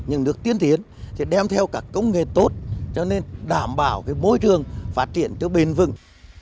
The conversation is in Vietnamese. những nước tiến tiến đem theo các công nghệ tốt cho nên đảm bảo môi trường phát triển bền vừng